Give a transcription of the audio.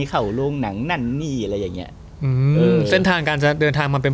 เข้าโรงหนังนั่นนี่อะไรอย่างเงี้ยอืมอืมเส้นทางการจะเดินทางมาเป็น